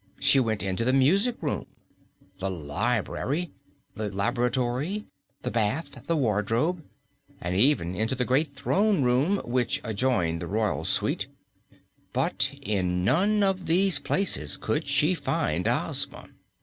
She went into the music room, the library, the laboratory, the bath, the wardrobe, and even into the great throne room, which adjoined the royal suite, but in none of these places could she find Ozma.